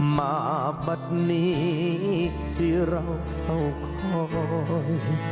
มาบัดนี้ที่เราเฝ้าคอย